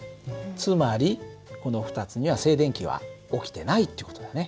つまりこの２つには静電気は起きてないっていう事だね。